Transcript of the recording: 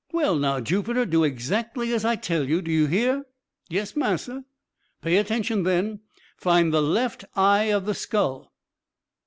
"Well now, Jupiter, do exactly as I tell you do you hear?" "Yes, massa." "Pay attention, then find the left eye of the skull."